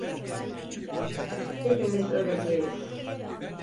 Hepimiz öleceğiz.